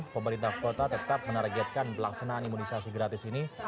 pemerintah kota tetap menargetkan pelaksanaan imunisasi gratis ini